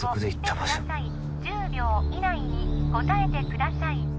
１０秒以内に答えてください